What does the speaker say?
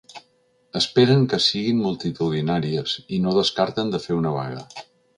Esperen que siguin multitudinàries, i no descarten de fer un vaga.